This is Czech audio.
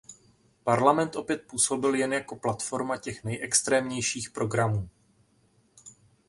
Parlament opět působil jen jako platforma těch nejextrémnějších programů.